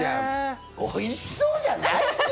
おいしそうじゃない？